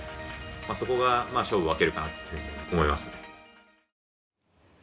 そこが勝負を分けるかなっていうふうに思いますね。